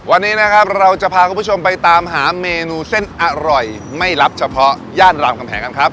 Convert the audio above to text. วันนี้นะครับเราจะพาคุณผู้ชมไปตามหาเมนูเส้นอร่อยไม่รับเฉพาะย่านรามคำแหงกันครับ